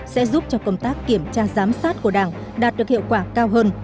sẽ giúp cho công tác kiểm tra giám sát của đảng đạt được hiệu quả cao hơn